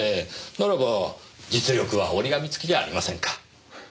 ならば実力は折り紙付きじゃありませんか。